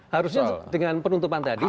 harusnya dengan penutupan tadi